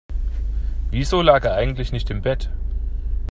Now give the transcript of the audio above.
Wieso lag er eigentlich nicht im Bett?